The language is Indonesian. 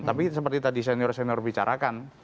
tapi seperti tadi senior senior bicarakan